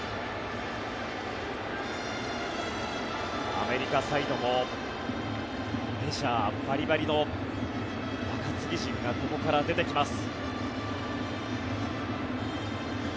アメリカサイドもメジャーバリバリの中継ぎ陣がここから出てきます。